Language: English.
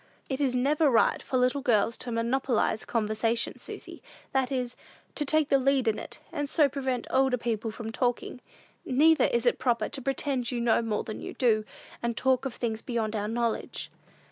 "It is never right for little girls to monopolize conversation, Susy; that is, to take the lead in it, and so prevent older people from talking. Neither is it proper to pretend to know more than we do, and talk of things beyond our knowledge."